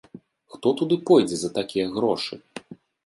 Хто туды пойдзе за такія грошы?